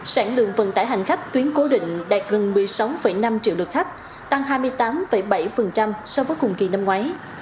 sản lượng vận tải hành khách tuyến cố định đạt gần một mươi sáu năm triệu lượt khách tăng hai mươi tám bảy so với cùng kỳ năm ngoái